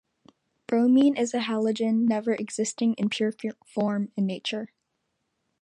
Bromine is a halogen, never existing in pure form in nature.